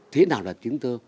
thế nào là tiếng tơ